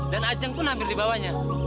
dan ajang pun hampir dibawanya